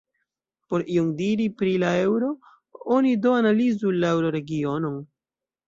Por ion diri pri la eŭro, oni do analizu la eŭroregionon.